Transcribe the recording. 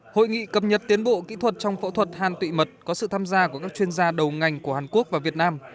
hội nghị cập nhật tiến bộ kỹ thuật trong phẫu thuật hàn tụy mật có sự tham gia của các chuyên gia đầu ngành của hàn quốc và việt nam